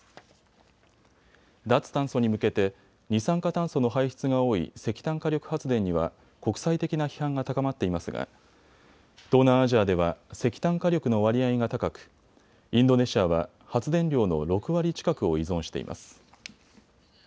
脱炭素に向けて二酸化炭素の排出が多い石炭火力発電には国際的な批判が高まっていますが東南アジアでは石炭火力の割合が高くインドネシアは発電量の６割近くを依存しています。